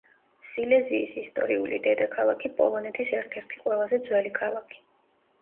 სილეზიის ისტორიული დედაქალაქი, პოლონეთის ერთ-ერთი ყველაზე ძველი ქალაქი.